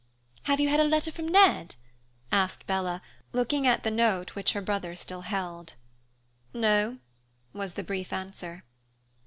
"Have you had a letter from Ned?" asked Bella, looking at the note which her brother still held. "No" was the brief answer.